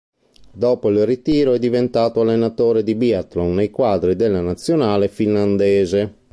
Dopo il ritiro è divenuto allenatore di biathlon nei quadri della nazionale finlandese.